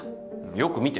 よく見て。